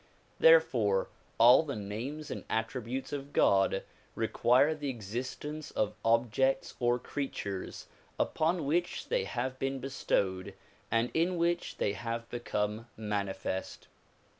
Therefore all the names and attributes of God require the existence of ob, iects or creatures upon which they have been bestowed and in w^hich they have become manifest.